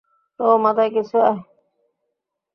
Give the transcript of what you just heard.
ওহ, মাথায় কিছু আয়!